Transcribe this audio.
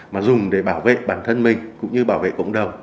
mà dùng để bảo vệ bản thân mình cũng như bảo vệ cộng đồng